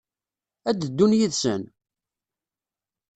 Ad d-ddun yid-sen?